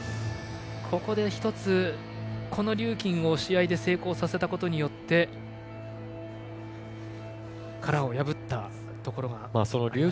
ここで１つ、このリューキンを試合で成功させたことによって殻を破ったところがあったでしょうかね。